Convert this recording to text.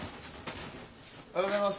おはようございます！